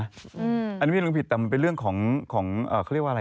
อันนี้ไม่รู้ผิดแต่มันเป็นเรื่องของเขาเรียกว่าอะไร